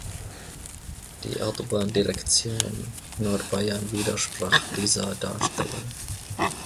Die Autobahndirektion Nordbayern widersprach dieser Darstellung.